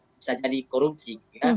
bisa jadi korupsi